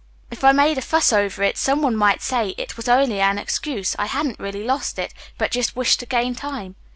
If I made a fuss over it some one might say it was only an excuse, that I hadn't really lost it, but just wished to gain time.